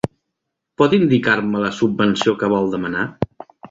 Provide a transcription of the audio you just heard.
Pot indicar-me la subvenció que vol demanar?